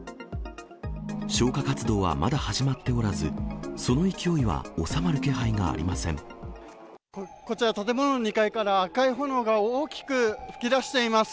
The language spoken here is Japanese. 消火活動はまだ始まっておらず、その勢いは収まる気配がありませこちら、建物の２階から赤い炎が大きく噴き出しています。